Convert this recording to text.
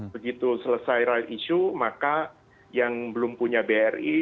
begitu selesai right issue maka yang belum punya bri